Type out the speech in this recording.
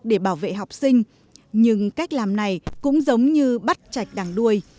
để bảo vệ học sinh nhưng cách làm này cũng giống như bắt chạch đằng đuôi